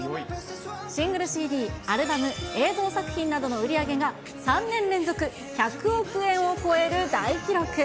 シングルＣＤ、アルバム、映像作品などの売り上げが、３年連続１００億円を超える大記録。